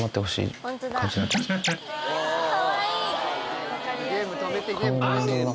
かわいい。